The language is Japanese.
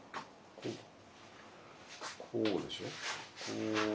こうでしょこう。